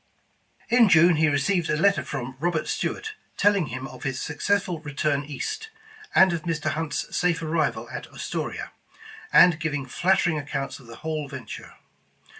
In June, he received a letter from Robert Stuart telling him of his successful return east, and of Mr. Hunt's safe arrival at Astoria, and giving flattering accounts of the whole venture.